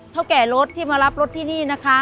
เท่าแก่รถที่มารับรถที่นี่นะคะ